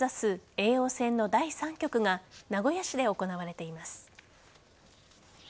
叡王戦の第３局が名古屋市で行われています。